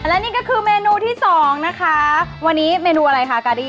และนี่ก็คือเมนูที่สองนะคะวันนี้เมนูอะไรคะกาดี้